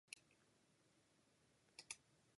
箏を弾くことが得意です。